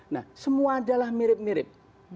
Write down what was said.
nah semua adalah mirip mirip